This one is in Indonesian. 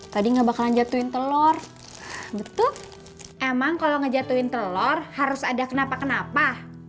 tadi ngebakalan jatuhin telur betul emang kalau ngejatuhin telur harus ada kenapa kenapa